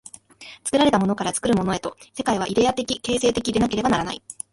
作られたものから作るものへと、世界はイデヤ的形成的でなければならない。